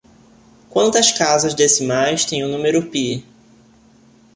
Quantas casas decimais tem o número pi?